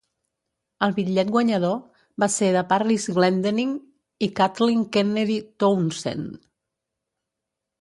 El bitllet guanyador va ser de Parris Glendening i Kathleen Kennedy Townsend.